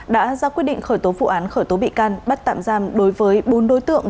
đã ra quyết định khởi tố vụ án khởi tố bị can bắt tạm giam đối với bốn đối tượng